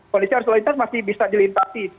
kondisi arus lalu lintas masih bisa dilintasi